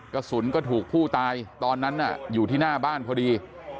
กระสุนก็ถูกผู้ตายตอนนั้นอยู่ที่หน้าบ้านพอดี